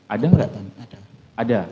ada enggak ada